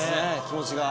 気持ちが。